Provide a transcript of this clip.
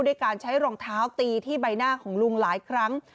ด้วยการใช้รองเท้าตีที่ใบหน้าของลุงหลายครั้ง